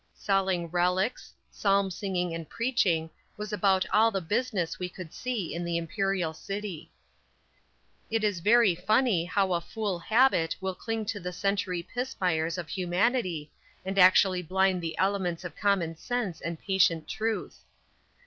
Selling "relics," psalm singing and preaching was about all the business we could see in the Imperial City. It is very funny how a fool habit will cling to the century pismires of humanity, and actually blind the elements of common sense and patent truth.